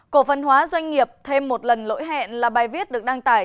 cổ phần hóa doanh nghiệp thêm một lần lỗi hẹn là bài viết được đăng tải